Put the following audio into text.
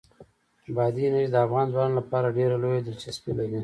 بادي انرژي د افغان ځوانانو لپاره ډېره لویه دلچسپي لري.